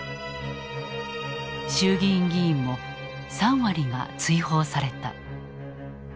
衆議院議員も３割が追放された。